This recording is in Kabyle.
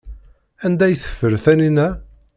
Anda ay teffer Taninna?